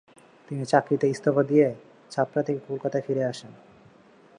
তিনি চাকরিতে ইস্তফা দিয়ে ছাপরা থেকে কলকাতায় ফিরে আসেন।